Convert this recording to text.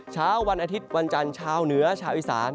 เช้าวันอาทิตย์วันจันทร์ชาวเหนือชาวอีสาน